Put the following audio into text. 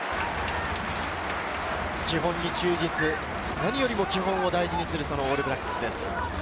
基本に忠実、何よりも基本を大事にするオールブラックスです。